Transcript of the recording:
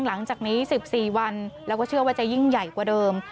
หลังจากนี้๑๔วันแล้วก็เชื่อว่าจะยิ่งใหญ่กว่าเดิม